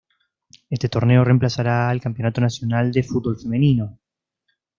Este torneo reemplazará al Campeonato Nacional de Fútbol Femenino.